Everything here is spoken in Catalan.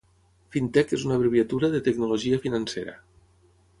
Fintech és una abreviatura de tecnologia financera.